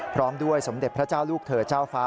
พร้อมด้วยสมเด็จพระเจ้าลูกเธอเจ้าฟ้า